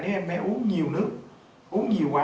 nếu em bé uống nhiều nước uống nhiều quá